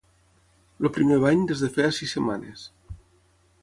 El primer bany des de feia sis setmanes.